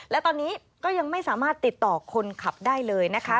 และตอนนี้ก็ยังไม่สามารถติดต่อคนขับได้เลยนะคะ